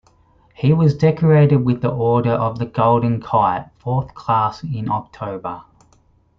He was decorated with the Order of the Golden Kite, Fourth Class, in October.